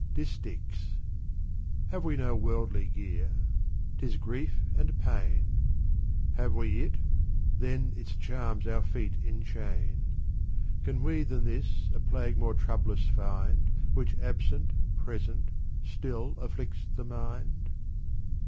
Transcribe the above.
Distichs^ Have we no wordly gear — 'tis grief and pain : Have we it — then its charms our feet enchain. Can we than this a plague more troublous findj Which absent, present, still afficts the mind